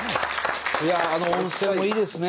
いやああの温泉もいいですね。